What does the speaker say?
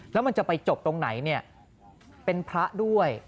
แล้วมันจะไปจบตรงไหนเนี่ยเป็นพระด้วย